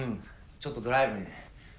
ちょっとドライブにね。